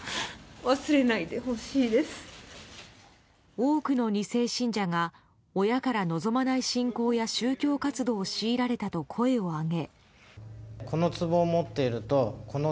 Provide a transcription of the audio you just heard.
多くの２世信者が親から望まない信仰や宗教活動を強いられたと声を上げ。